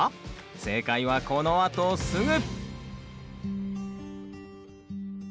正解はこのあとすぐ！